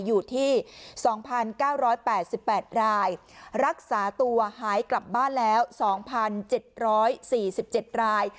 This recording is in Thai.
อยู่ที่๒๙๘๘รายรักษาตัวหายกลับบ้านแล้ว๒๗๔๗ราย